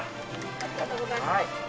ありがとうございます。